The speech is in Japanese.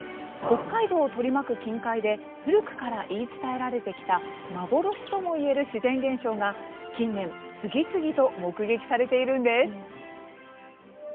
北海道を取り巻く近海で古くから言い伝えられてきた幻ともいえる自然現象が、近年次々と目撃されているんです。